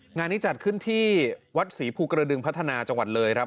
งานนี้จัดขึ้นที่วัดศรีภูกระดึงพัฒนาจังหวัดเลยครับ